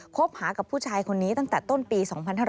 คบหากับผู้ชายคนนี้ตั้งแต่ต้นปี๒๕๕๙